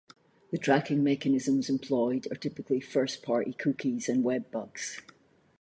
The tracking mechanisms employed are typically first-party cookies and web bugs.